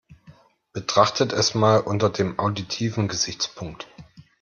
Betrachte es mal unter dem auditiven Gesichtspunkt.